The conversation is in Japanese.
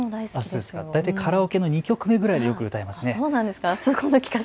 カラオケの２曲目ぐらいでよく歌いますね。